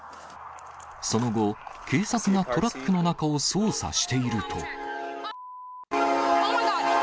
その後、警察がトラックの中を捜査していると。